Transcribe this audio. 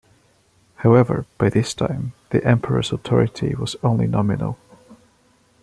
However, by this time the emperor's authority was only nominal.